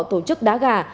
tổ chức đá gà